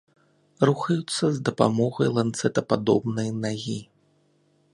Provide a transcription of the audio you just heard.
Рухаюцца з дапамогай ланцэтападобнай нагі.